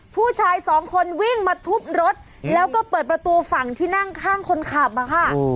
ผู้ชายสองคนวิ่งมาทุบรถแล้วก็เปิดประตูฝั่งที่นั่งข้างคนขับอะค่ะ